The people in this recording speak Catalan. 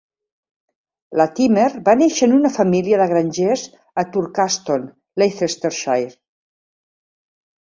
Latimer va néixer en una família de grangers a Thurcaston, Leicestershire.